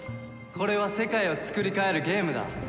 これは世界をつくり変えるゲームだ。